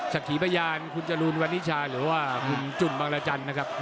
ขีพยานคุณจรูนวันนิชาหรือว่าคุณจุ่นบางรจันทร์นะครับ